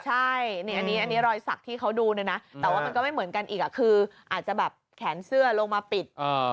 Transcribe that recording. ใช่นี่อันนี้รอยสักที่เขาดูเนี่ยนะแต่ว่ามันก็ไม่เหมือนกันอีกคืออาจจะแบบแขนเสื้อลงมาปิด